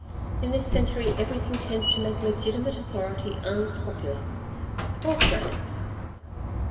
In this century everything tends to make legitimate authority un popular. Poor France